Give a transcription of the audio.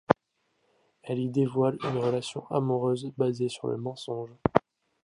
Elle y dévoile une relation amoureuse basée sur le mensonge.